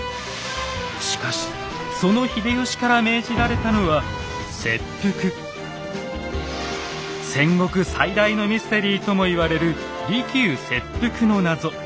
しかしその秀吉から命じられたのは戦国最大のミステリーとも言われる利休切腹の謎。